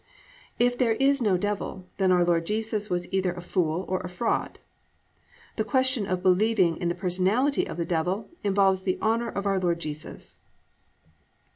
"+ If there is no Devil, then our Lord Jesus was either a fool or a fraud. The question of believing in the personality of the Devil involves the honour of our Lord Jesus.